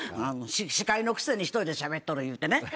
司会のくせに１人でしゃべっとるいうてね。